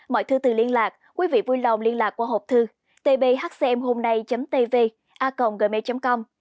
mọi thư từ liên lạc quý vị vui lòng liên lạc qua hộp thư tbhcmhômnay tv a gmail com